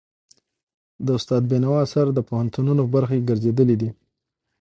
د استاد بينوا آثار د پوهنتونونو برخه ګرځېدلي دي.